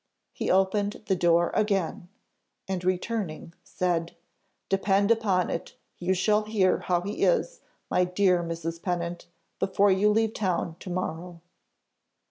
He opened the door again, and returning, said, "Depend upon it you shall hear how he is, my dear Mrs. Pennant, before you leave town to morrow."